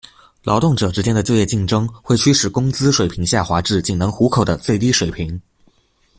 劳动者之间的就业竞争会驱使工资水平下滑至仅能糊口的最低水平。